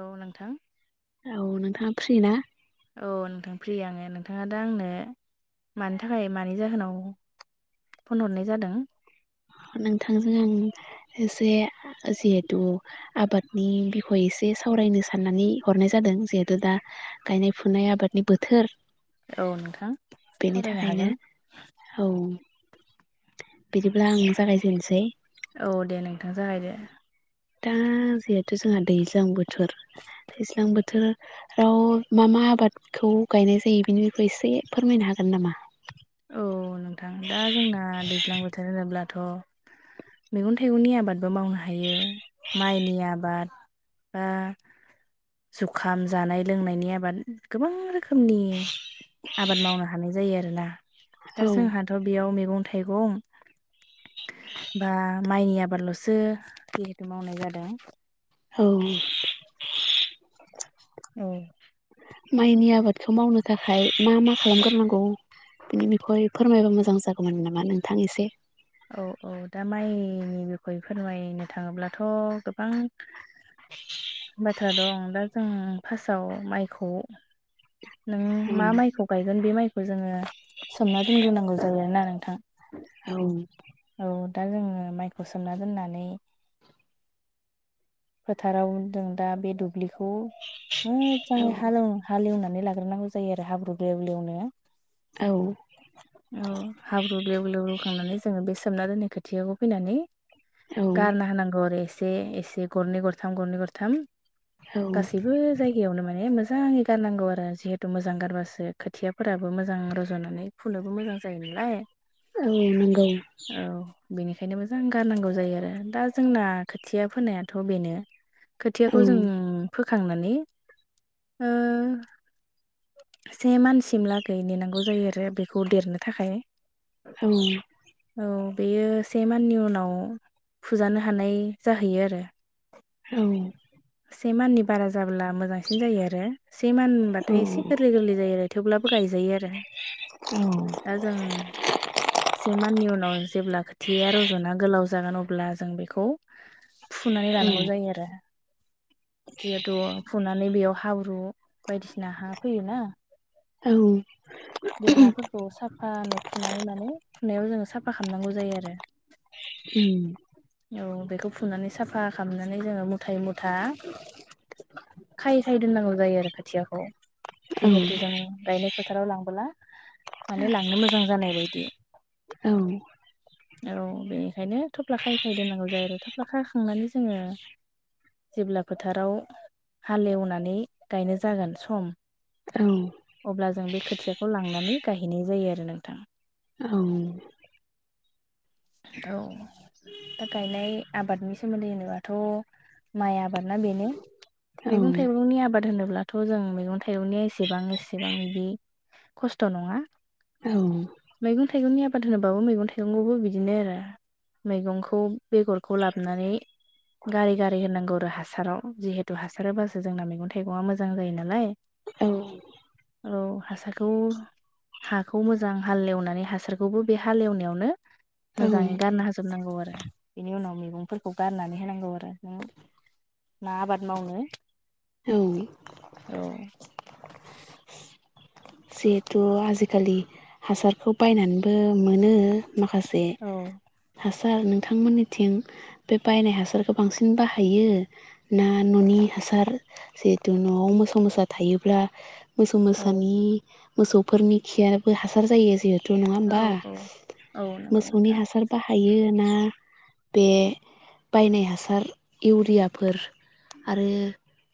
औ नोंथां फ्रिना औ नोंथां फ्रि आङो नोंथाङा दा आंनो मानि थाखाय मानि जाहोनाव फनहरनाय जादों। नोंथांजों आं एसे जिहेथु आबादनि बिखय एसे सावरायनो साननानै हरनाय जादों जिहेतु दा गायनाय-फुनाय आबादनि बोथोर औ नोंथां बेनि सावरायनो थाखायनो हागोन औ बिदिब्ला आं जागायजेननोसै औ दे नोंथां जागायदो दा जिहेथु जोंहा दैज्लां बोथोर दैज्लां बोथो राव मा मा आबादखौ गायनाय जायो बेनि एसे फोरमायनो हागोन नामा? औ नोंथां थ मैगं-थाइगंनि आबादबो मावनो हायो माइनि आबाद बा जुखाम जानाय लोंनायनि आबाद गोबां रो खोमनि आबाद मावनो हानाय जायो आरोना दा औ जोंहाथ' बेयाव मेगं थाइगं बा माइनि आ बादल'सो जिहेथु मावनाय जादों औ उ माइनि आबादखौ मावनो थाखाय मा मा खालामगोरनांगौ? बिनि बिखय फोरमायबा मोजां जागौमोन नामा नोंथां एसे। औ-औ दा माइनि बिखय फोरमायनो थाङोब्लाथ' गोबां [inaudible] बाथ्रा दं दा जों फासआव माइखौ नों औ मा माइखौ गायगोन बे माइखौ जोङो सोमना दोनग्रोनांगौ जायो आरोना नोंथां औ। औ दा जोङो माइखौ सोमना दोननानै फोथाराव दों दा बे दुब्लिखौ औ मोजाङै हालेव हालेवना नै लाग्रोनांगौ जायो आरो हाब्रु ग्लेव-ग्लेवनो औ औ हाब्रु ग्लेव- ग्लेव होखांनानै जोङो बेसे सोमना दोननाय खोथियाखौ फैनानै औ गारना होनांगौ आरो एसे-एसे। गरनै गरथाम गरनै गरथाम औ गासैबो जायगायावनो माने मोजाङै गारनांगौ आरो जिहेतु मोजां गारबासो खोथियाफोराबो मोजां रज'नानै फुनोबो मोजां जायो [inaudible] औ नंगौ। औ बेनिखायनो मोजां गारनांगौ जायो आरो दा जोंना खोथिया फोनायाथ' बेनो। औ खोथियाखौ जों फोखांनानै ओ से मानसिमलागै नेनांगौ जायो आरो बेखौ देरनो थाखाय औ। औ बेयो से माननि उनाव फुजानो हानाय जाहैयो आरो। औ। से माननि बारा जाब्ला मोजांसिन जायो आरो से औ मानबाथाय एसे गोरलै गोरलै जायो आरो थेवब्ला गायजायो आरो। दा जों से माननि उनाव जेब्ला खोथियाया रज'ना गोलाव जागोन अब्ला जों बेखौ फुनानै लानांगौ जायो आरो। जिहेथु फुनानै बेयाव हाब्रु बायदिसिना हा फैयो ना बे हाफोरखौ साफानो फुनानै माने फुनायाव जोङो साफा खालामनांगौ जायो आरो। उम। औ बेखौ फुनानै साफा खालामनानै जोङो मुथायै मुथ था खायै खायै दोननांगौ जायो आरो खोथियाखौ औ जिहेथु जों गायनाय फोथाराव लांबोला माने लांनो मोजां जानाय बायदि। औ। औ बेनिखायनो थफ्ला खायै-खायै दोननांगौ जायो आरो थफ्ला खाखांनानै जोङो जेब्ला फोथाराव हालेवनानै गायनो जागोन सम अब्ला जों बे खोथियाखौ लांनानै गायहैनाय जायो आरो नोंथां। औ। औ दा गायनाय आबादनि सोमोन्दै होनोबाथ' माइ आबाद ना बेनो मैगं-थाइगंनि आबाद होनोब्लाथ' जों मैगं थाइगंनि एसेबां एसेबां बिदि खस्थ' नङा औ। मैगं थाइगंनि आबाद होनोबाबो मैगं-थाइगंखौबो बिदिनो आरो मैगंखौ बेगरखौ लाबोनानै गारै गारै होनांगौ आरो हासाराव जिहेतु हासार होबासो जोंना मैगं-थाइगंआ मोजां जायो नालाय औ। औ हासारखौ हाखौ मोजां हाल एवनानै हासारखौबो बे हालेवनायावनो मोजाङै गारनो हाजोबनांगौ आरो बिनि उनाव मैगंफोरखौ गारनानै होनांगौ आरो [unintelligible] मा आबाद मावनो [inaudible] औ जिहेथु आजिखालि हासारखौ बायनानैबो मोनो [unintelligible] माखासे औ हास सार नोंथांमोननिथिं बे बायनाय हासारखौ बांसिन बाहायो ना न'नि हासार जिहेतु न'आव मोसौ मोसा थायोब्ला मोसौ औ मोसानि मोसौफोरनि खियाबो हासार जायो जिहे तु नङा होमबा औ औ नंगौ मोसौनि नोंथां हासार बाहायो ना बे बायनाय हासार इउरियाफोर आरो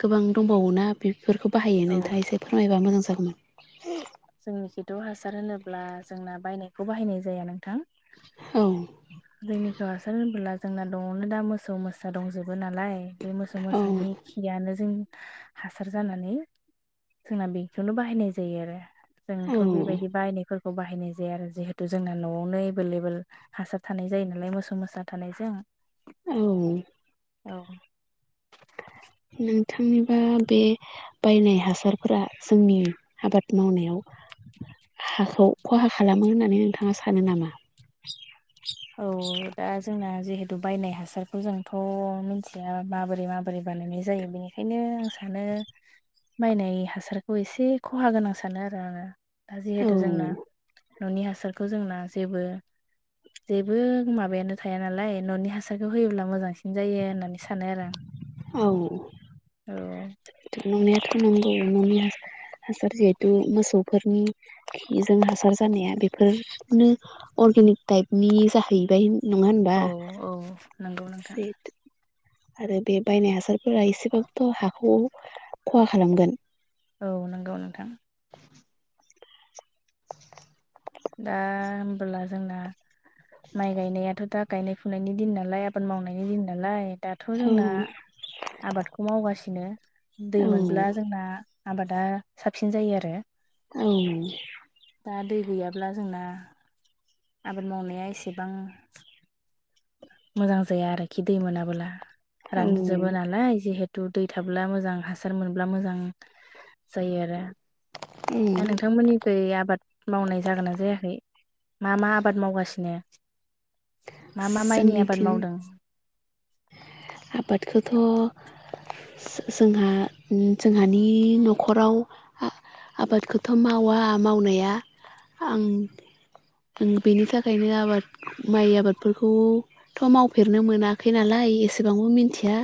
गोबां दंबावोना बे बेफोरखौ बाहायो औ नोंथाङा एसे फोरमायबा मोजां जागौमोन? जोंनि खिथ' हासार होनोब्ला जोंना बायनायखौ बाहायनाय जाया नोंथां। औ जोंनिखौ हासार होनबोला जोंना द'आवनो दा मोसौ मोसा दंजोब बो नालाय बे मोसौ औ मोसानि खियानो जों हासार जानानै जोंना बेखौनो बाहायनाय जायो आरो। औ जोंथ' बेबायदि बायनायफोरखौ बाहायनाय जाया आरो जिहेतु जोंना न'आवनो एभेलेबेल हासार थानाय जायो नालाय मोसौ मोसा थानायजों। औ [inaudible] औ [inaudible] थांनिबा बे बायनाय हासारफोरा जोंनि आबाद मावनायाव हाखौ ख'हा खालामो होननानै नोंथाङा सानो नामा? औ दा जोंना जिहेथु बायनाय हासारखौ जोंथ' मिथिया माबोरै माबोरै बानायनाय जायो बेनिखायनो आं सानो नो बायनाय हासारखौ एसे ख'हा गोनां सानो आरो आङो। दा औ जिहेथु जोंना न'नि हासारखौ जोंना जेबो जेबो माबायानो थाया नालाय न'नि हासारखौ होयोब्ला मोजांसिन जायो होननानै सानो आरो आं। औ इथ' नंनायाथ' नंगौ न'नि हासा हासार जिहेथु मोसौफोरनि खिजों हासार जानाया बेफोरनो अर गेनिक टाइपनि जाहैबाय नङा होनबा? औ औ नंगौ नोंथां। जिहेथु आरो बे बायनाय हासारफोरा एसेबाबोथ' हाखौ ख'हा खालामगोन। औ नंगौ नोंथां। दा होमबोला जोंना माइ गायनायाथ' दा गायनाय फुनायनि दिन नालाय आबाद मावनायनि दिन नालाय दाथ' औ जोंना आबादखौ मावगासिनो दै औ मोनब्ला जोंना आबादा साबसिन जायो आरो। औ दा दै गैयाब्ला जोंना आबाद मावनाया एसेबां मोजां जाया आरोखि दै मोनाबोला औ रानजोबो उम नालाय जिहे तु दै थाब्ला मोजां हासार मोनब्ला मोजां जायो आरो। दा नोंथांमोननिखै आबाद मावनाय जागोन ना जायाखै? मा मा आबाद मावगासिनो मा मा माइनि आबाद जोंनिथिं मावदों? आबादखौथ' सो जोंहा जोंहानि न'खराव हा आबादखौथ' मावा मावनाया आं ओं बेनि थाखायनो आबाद माइ आबादफोरखौथ' मावफेरनो मोनाखै नालाय एसेबांबो मिथिया।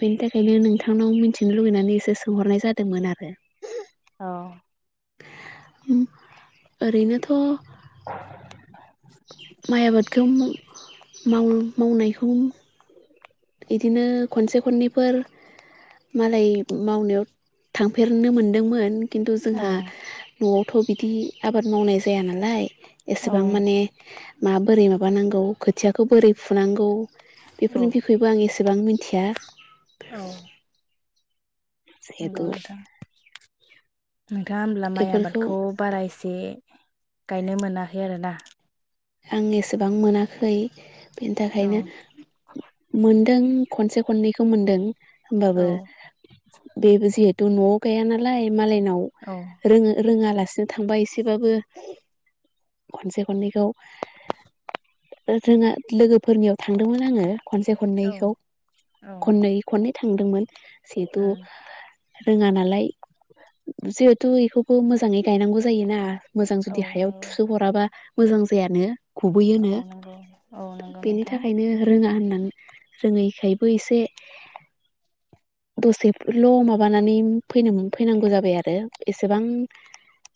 बेनि थाखायनो नोंथांनाव मोनथिनो लुुबैनानै एसे सोंहरनाय जादोंमोन आरो। औ उम ओरैनोथ' मावो मावनायखौ। इदिनो खनसे खननैफोर मालाय मावनायाव थांफेरनो मोनदोंमोन। किन्तु औ जोंहा न'आवथ' बिदि आबाद मावनाय जाया नालाय। औ एसेबां माने माबोरै माबानांगौ खोथियाखौ बोरै फुनांगौ औ बेफोरनि बिखयबो आं एसेबां मोनथिया औ नंगौ नोंथां। नोंथाङा होमब्ला माइ बेफोरखौ आबादखौ बारा एसे गायनो मोनाखै आरो ना? आं एसेबां मोनाखै बेनि औ थाखायनो मोन दों खनसे-खननैखौ मोनदों होमबाबो औ बे जेहेत द न'आव गाया नालाय मालायनाव औ रोङो रोङाला हारसिं थांबा एसेबाबो खनसे खननैखौ ओ जोंहा लोगोफोरनियाव थांदोंमोन आङो। खनसे औ खननैखौ औ खननै खननै थांदोंमोन जिहेथु उम रोङा नालाय जिहेथु इखौबो मोजाङै गायनांगौ जायोना। मोजां जुदि हायाव थुसोह'राबा मोजां जायानो। औ नंगौ औ गुबुबैयोनो नंगौ औ नंगौ बेनि नोंथां थाखायनो रोङा होन ओं रोङैखायबो एसे दसेल' माबानानै फैनो फैनांगौ जाबाय आरो एसेबां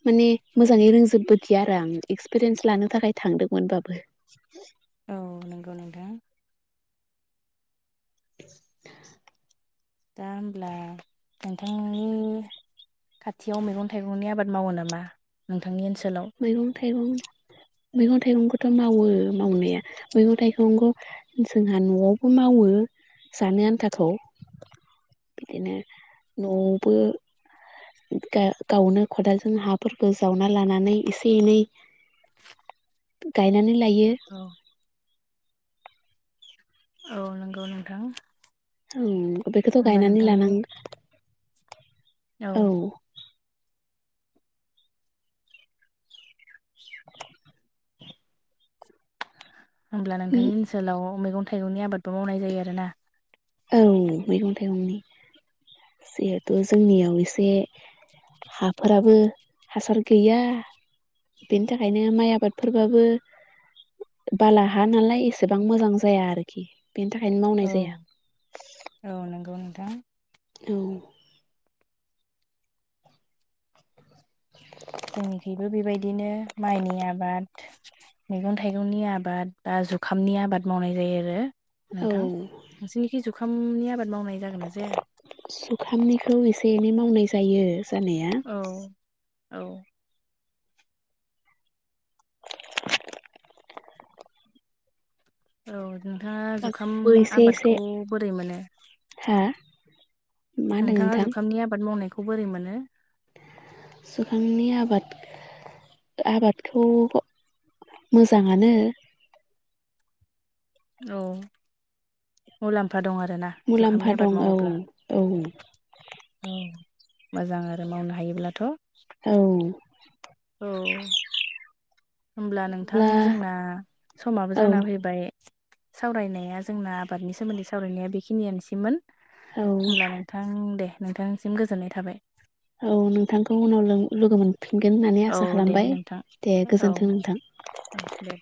माने मोजाङै रोंजोबबोदिया आरो आं एक्सपिरियेन्स लानो थाखाय थांदोंमोनबाबो। औ नंगौ नोंथां। दा होमब्ला नोंथांनि खाथियाव मैगं थाइगंनि आबाद मावो नामा नोंथांनि ओनसोलाव? [unintelligible] मैगं-थाइगंखौथ' मावो मावनाया मैगं थाइगंखौ जोंहा न'आवबो मावो। ओ जानो आन्थाखौ। बिदिनो न‌'आवबो गा गावनो खदालजों हाफोरखौ जावना लानानै एसे एनै गायनानै लायो। औ औ नंगौ नोंथां। औ बेखौथ' होमबा गायनानै लानां नोंथांनि औ। होमब्ला नोंथांनि ओनसोलाव मैगं-थाइगंनि आबादबो मावनाय जायो आरो ना? औ मैगं थाइगंनि जिहेथु जोंनियाव एसे हाफोराबो हासार गैया। बेनि थाखायनो माइ आबादफोरबाबो बाला हा नालाय एसेबां मोजां जाया आरोखि बेनि थाखायनो औ मावनाय जाया। औ नंगौ नोंथां। औ। बिदिनो माइनि आबाद मैगं थाइगंनि आबाद बा जुखामनि आबाद मावनाय जायो आरो। औ नोंथां नोंसोरनिखि जुखामनि आबाद मावनाय जागोन ना जाया? जुखामनिखौ एसे एनै मावनाय जायो जानाया। औ औ। औ नोंथाङा जुखाम गासैखौबो एसे एसे आबादखौ बोरै मोनो? हा मा होनदों नोंथाङा नोंथां जुखामनि आबाद मावनायखौ बोरै मोनो? जुखामनि आबाद। आबादखौ मोजाङानो। औ, मुलामफा फा दं आरो ना मुलाम्फा जुखामनि दं आबाद औ मावोब्ला औ औ मोजां आरो मावनो हायोब्लाथ', औ औ होमब्ला नोंथां अब्ला जोंना समाबो औ जाना फैबाय सावरायनाया जोंना आबादनि सोमोन्दै सावरायनाया बेखिनियानोसैमोन औ होमब्ला नोंथां दे नोंथांनिसिम गोजोननाय थाबाय औ नोंथांखौ उनाव लों लोगो मोन फिनगोन होननानै औ आसा दे खालामबाय। नोंथां दे औ गोजोनथों नोंथां। औ दे